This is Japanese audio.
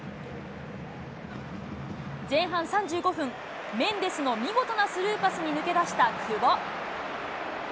前半３５分、メンデスのみごとなスルーパスに抜け出した久保。